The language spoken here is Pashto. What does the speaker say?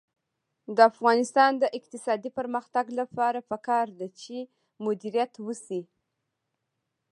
د افغانستان د اقتصادي پرمختګ لپاره پکار ده چې مدیریت وشي.